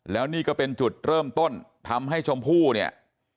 แล้วนี่ก็เป็นจุดเริ่มต้นทำให้ชมพู่เนี่ย